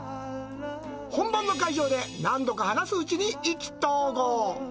本番の会場で何度か話すうちに意気投合。